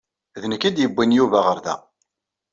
D nekk i d-yewwin Yuba ɣer da.